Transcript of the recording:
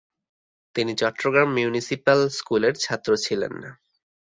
তিনি চট্টগ্রাম মিউনিসিপ্যাল স্কুলের ছাত্র ছিলেন।